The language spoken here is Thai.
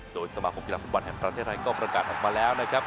โดยสมาคมกีฬาฟุตบอลแห่งประเทศไทยก็ประกาศออกมาแล้วนะครับ